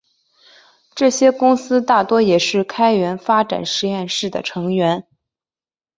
这些公司大多也是开源发展实验室的成员。